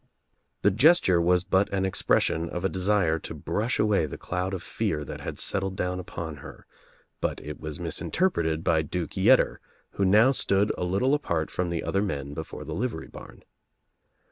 68 THE TRIUMPH OF THE EGG The gesture was but an expression of a desire to brush away the cloud of fear that had settled down upon her but it was misinterpreted by Duke Yctter who now stood a little apart from the other men be fore the livery barn.